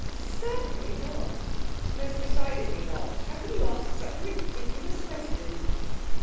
'Certainly not! Most decidedly not! How can you ask such a ridiculous question!'